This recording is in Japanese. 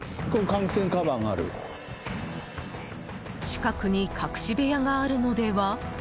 近くに、隠し部屋があるのでは。